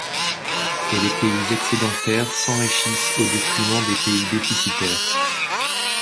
Et les pays excédentaires s'enrichissent au détriment des pays déficitaires.